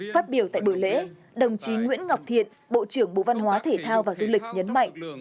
phát biểu tại buổi lễ đồng chí nguyễn ngọc thiện bộ trưởng bộ văn hóa thể thao và du lịch nhấn mạnh